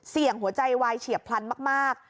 เสี่ยงหัวใจวายเฉียบพลันมาก